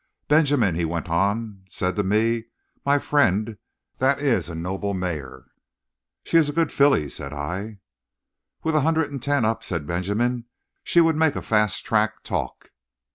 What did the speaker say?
"Benjamin," he went on, "said to me, 'My friend, that is a noble mare.' "'She is a good filly,' said I. "'With a hundred and ten up,' said Benjamin, 'she would make a fast track talk.'"